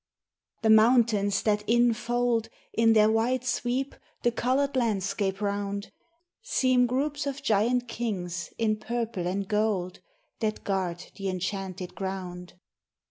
The mountains that infold, In their wide sweep, the colored landscape round, Seem groups of giant kings, in purple and gold, That guard the enchanted ground.